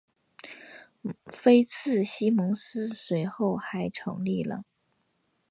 菲茨西蒙斯随后还成立了。